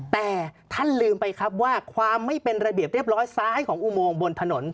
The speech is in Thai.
แต่ท่านลืมไปครับว่าความไม่เป็นระเบียบเรียบร้อยซ้ายของอุโมงบนถนน